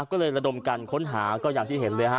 ก็เลยระดมกันค้นหาก็อย่างที่เห็นเลยฮะ